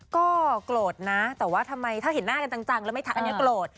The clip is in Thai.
ก็โกรธนะแต่ว่าทำไมถ้าเห็นหน้ากันจังแล้วไม่ทันอันนี้โกรธ